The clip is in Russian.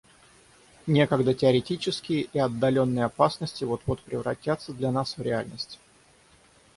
Некогда теоретические и отдаленные опасности вот-вот превратятся для нас в реальность.